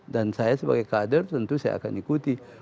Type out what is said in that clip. dan saya sebagai kader tentu saya akan ikuti